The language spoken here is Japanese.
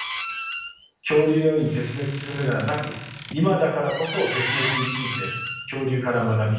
恐竜のように絶滅するのではなく今だからこそ絶滅について恐竜から学び